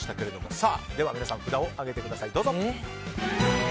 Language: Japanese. さあ皆さん札を上げてください。